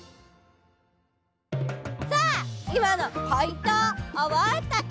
さあいまのポイントをおぼえたかな？